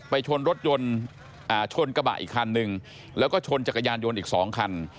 ชนรถยนต์ชนกระบะอีกคันนึงแล้วก็ชนจักรยานยนต์อีก๒คัน